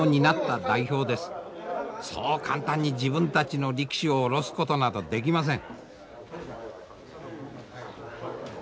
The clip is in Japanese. そう簡単に自分たちの力士を降ろすことなどできません。